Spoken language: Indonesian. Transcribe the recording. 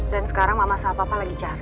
dan sekarang mama sama papa lagi cari